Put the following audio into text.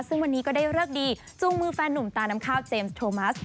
ซึ่งวันนี้ก็ได้เลิกดีจูงมือแฟนหนุ่มตาน้ำข้าวเจมส์โทมัส